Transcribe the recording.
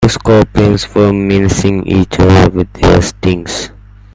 Two scorpions were menacing each other with their stings.